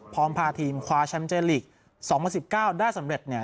พาทีมคว้าแชมป์เจลีก๒๐๑๙ได้สำเร็จเนี่ย